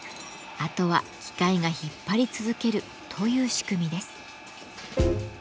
あとは機械が引っ張り続けるという仕組みです。